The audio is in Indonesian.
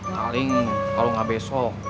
paling kalau gak besok